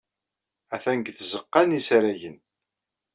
Atan deg tzeɣɣa n yisaragen.